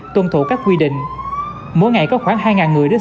trở nên quá tải